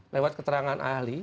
lewat keterangan ahli